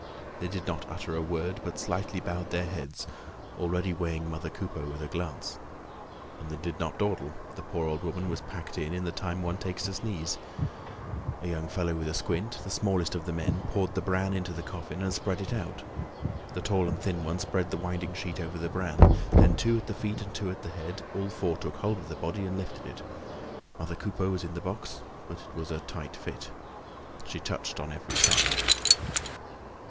They did not utter a word, but slightly bowed their heads, already weighing mother Coupeau with a glance. And they did not dawdle; the poor old woman was packed in, in the time one takes to sneeze. A young fellow with a squint, the smallest of the men, poured the bran into the coffin and spread it out. The tall and thin one spread the winding sheet over the bran. Then, two at the feet and two at the head, all four took hold of the body and lifted it. Mother Coupeau was in the box, but it was a tight fit. She touched on every side.